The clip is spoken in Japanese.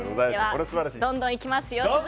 どんどんいきますよ。